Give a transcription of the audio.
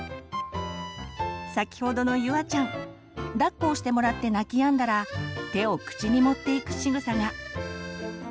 先ほどのゆあちゃんだっこをしてもらって泣きやんだら手を口に持っていくしぐさが。